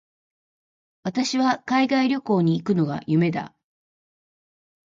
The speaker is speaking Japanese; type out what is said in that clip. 私は海外旅行に行くのが夢だ。